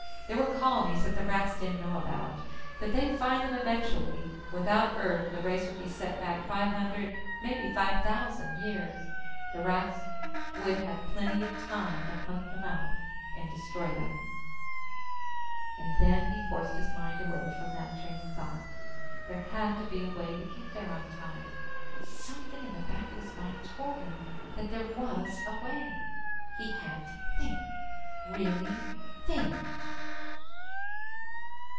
There were colonies that the Rats didn't know about. But they'd find them eventually. Without Earth, the race would be set back five hundred maybe five thousand years. The Rats would would have plenty of time to hunt them out and destroy them. And then he forced his mind away from that train of thought. There had to be a way to get there on time. Something in the back of his mind told him that there was a way. He had to think. Really think.